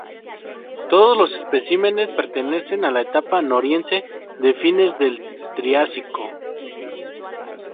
Todos los especímenes pertenecen a la etapa Noriense de fines del Triásico.